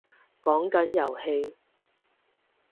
講緊遊戲